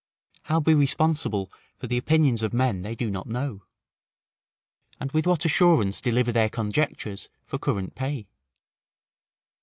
how be responsible for the opinions of men they do not know? and with what assurance deliver their conjectures for current pay?